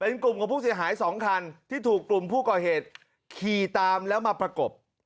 เป็นกลุ่มของผู้เสียหายสองคันที่ถูกกลุ่มผู้ก่อเหตุขี่ตามแล้วมาประกบ